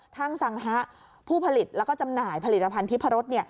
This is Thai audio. ทั้งสังฮะผู้ผลิตแล้วก็จำหน่ายผลิตภัณฑิพรส